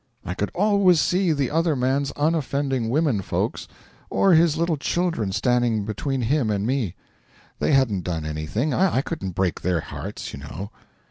I could always see the other man's unoffending women folks or his little children standing between him and me. They hadn't done anything I couldn't break their hearts, you know.'